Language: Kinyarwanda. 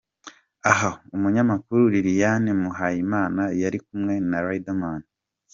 Aha umunyamakuru Liliane Muhayimana yari kumwe na Riderman.